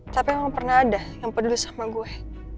tapi memang pernah ada yang peduli sama gue